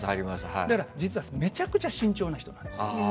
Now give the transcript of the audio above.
だからめちゃくちゃ慎重な人なんです。